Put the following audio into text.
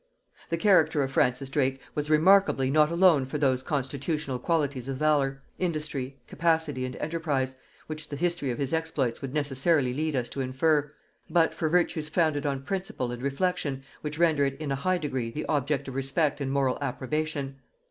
The character of Francis Drake was remarkable not alone for those constitutional qualities of valor, industry, capacity and enterprise, which the history of his exploits would necessarily lead us to infer, but for virtues founded on principle and reflection which render it in a high degree the object of respect and moral approbation.